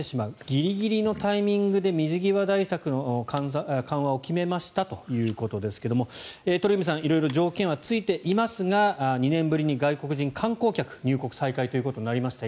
ギリギリのタイミングで水際対策の緩和を決めましたということですが鳥海さん、色々条件はついてますが２年ぶりに外国人観光客入国再開となりました